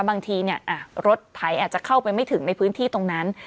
บางทีรถไถอาจจะเข้าไปไม่ถึงในพื้นที่ตรงนั้น